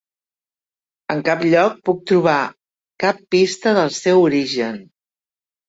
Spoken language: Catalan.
En cap lloc puc trobar cap pista del seu origen.